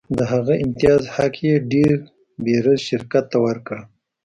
د هغه د امتیاز حق یې ډي بیرز شرکت ته ورکړ.